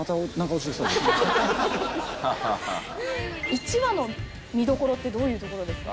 １話の見どころってどういうところですか？